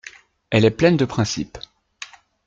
Elle est pleine de principes.